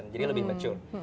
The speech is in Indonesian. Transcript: jadi lebih mature